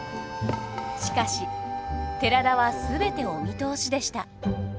しかし寺田は全てお見通しでした。